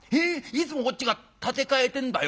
いつもこっちが立て替えてんだよ。